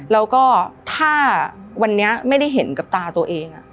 แล้วก็ถ้าวันนี้ไม่ได้เห็นกับตาตัวเอง